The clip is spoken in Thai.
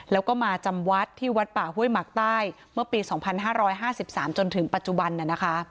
แล้วก็มาจำวัดที่วัดป่าห้วยหมักใต้เมื่อปี๒๕๕๓จนถึงปัจจุบันน่ะนะคะ